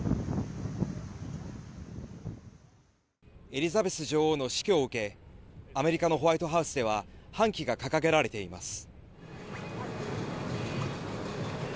エリザベス女王の死去を受けアメリカのホワイトハウスでは半旗が掲げられています。